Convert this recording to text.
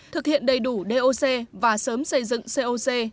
thực hiện đầy đủ doc và sớm xây dựng coc